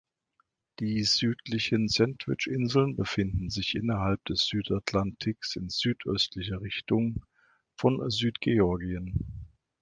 Die "Südlichen Sandwichinseln" befinden sich innerhalb des Südatlantiks in südöstlicher Richtung von Südgeorgien.